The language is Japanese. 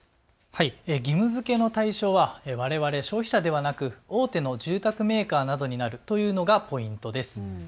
義務づけの対象はわれわれ消費者ではなく大手の住宅メーカーなどになるというのがポイントです。